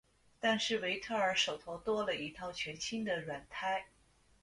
但是维特尔手头多了一套全新的软胎。